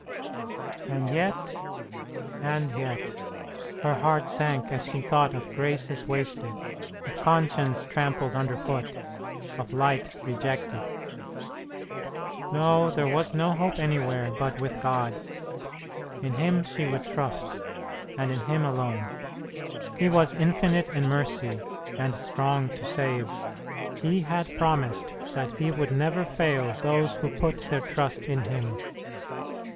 And yet, and yet ... her heart sank as she thought of graces wasted, of conscience trampled underfoot, of light rejected. No, there was no hope anywhere but with God. In Him she would trust, and in Him alone. He was infinite in mercy, and strong to save. He had promised that He would never fail those who put their trust in Him.